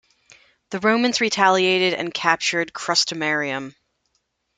The Romans retaliated and captured Crustumerium.